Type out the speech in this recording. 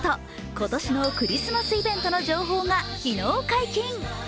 今年のクリスマスイベントの情報が昨日解禁。